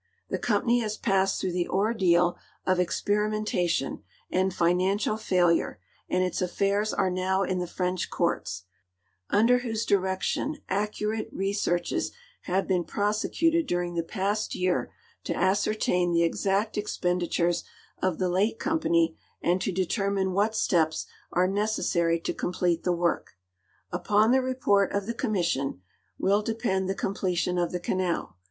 The com})any has passed through the ordeal of experimentation and financial fiiilure and its affairs are now in the French courts, under whose direction accurate re searches have been ])rosecuted during the past year to ascertain the exact expenditures of the late company and to determine what steps are necessary to complete the work. Upon the report of the commission will depend the completion of the canal.